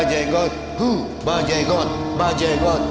genggo hu magegot bajebot